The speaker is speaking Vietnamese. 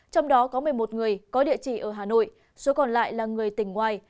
trong đó có một mươi một người có địa chỉ ở hà nội số còn lại là người tỉnh ngoài